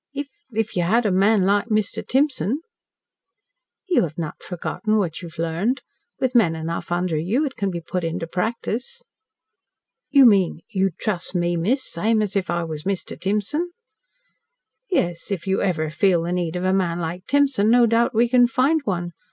"If if you had a man like Mr. Timson " "You have not forgotten what you learned. With men enough under you it can be put into practice." "You mean you'd trust me, miss same as if I was Mr. Timson?" "Yes. If you ever feel the need of a man like Timson, no doubt we can find one.